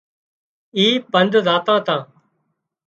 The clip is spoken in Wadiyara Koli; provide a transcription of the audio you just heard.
اي پند زاتا تا